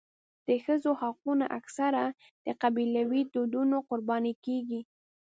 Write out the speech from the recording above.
د ښځو حقونه اکثره د قبیلوي دودونو قرباني کېږي.